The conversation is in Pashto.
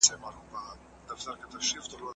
ادبي غونډې د ادبي فکر د ودې ځای دی.